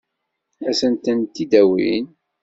Ad sent-tent-id-awin?